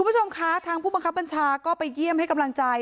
คุณผู้ชมคะทางผู้บังคับบัญชาก็ไปเยี่ยมให้กำลังใจ